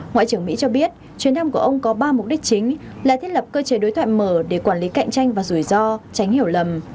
ngoại trưởng mỹ cho biết chuyến thăm của ông có ba mục đích chính là thiết lập cơ chế đối thoại mở để quản lý cạnh tranh và rủi ro tránh hiểu lầm